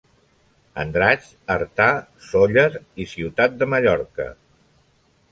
Andratx, Artà, Sóller i ciutat de Mallorca.